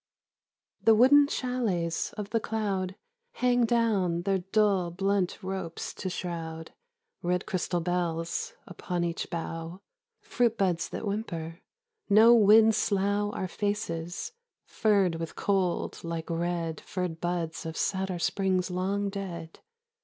The wooden chalets of the cloud Hang down their dull blunt ropes to shroud Red crystal bells upon each bough (Fruit buds that whimper). No winds slough Our faces, furred with cold like red Furred buds of satyr springs long dead.